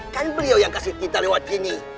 kan beliau yang kasih kita lewat sini